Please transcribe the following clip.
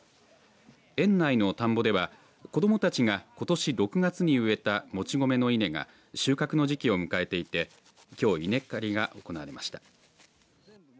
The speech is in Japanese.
園内の田んぼでは子どもたちがことし６月に植えたもち米の稲が収穫の時期を迎えていてきょう、稲刈りが行われました。